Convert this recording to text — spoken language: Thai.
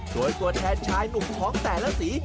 โดยตัวแทนชายหนุ่มของแต่ละสี